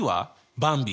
ばんび。